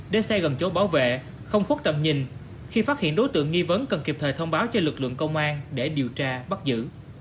để xe gần chỗ bảo vệ không khuất tầm nhìn khi phát hiện đối tượng nghi vấn cần kịp thời thông báo cho lực lượng công an để điều tra bắt giữ